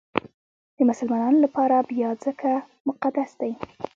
د مسلمانانو لپاره بیا ځکه مقدس دی.